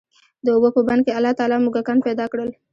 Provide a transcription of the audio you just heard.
د اوبو په بند کي الله تعالی موږکان پيدا کړل،